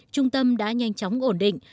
trung tâm đã nhanh chóng ổn định